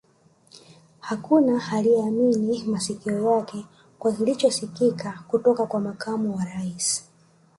Hakuna aliye yaamini masikio yake kwa kilicho sikika kutoka kwa Makamu wa Rais